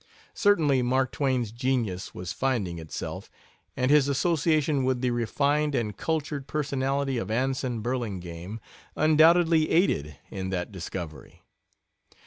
Certainly Mark Twain's genius was finding itself, and his association with the refined and cultured personality of Anson Burlingame undoubtedly aided in that discovery.